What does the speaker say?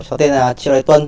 cháu tên là triều đại tuân